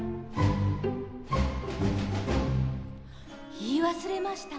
言い忘れました。